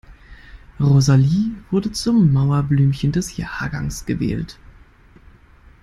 Rosalie wurde zum Mauerblümchen des Jahrgangs gewählt.